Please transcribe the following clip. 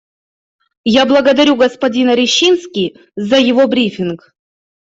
Я благодарю господина Рищински за его брифинг.